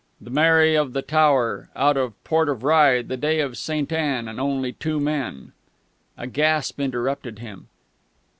_" "The Mary of the Tower, out of the Port of Rye on the day of Saint Anne, and only two men " A gasp interrupted him.